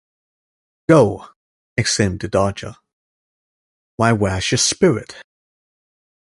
‘Go!’ exclaimed the Dodger. ‘Why, where’s your spirit?’